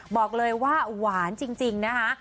บอกเลยว่าหวานจริงนะคะ